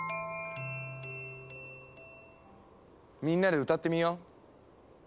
みんなで歌ってみよう。